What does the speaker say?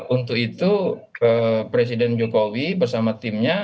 untuk itu presiden jokowi bersama timnya